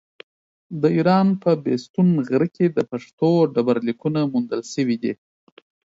د ايران په بېستون غره کې د پښتو ډبرليکونه موندل شوي دي.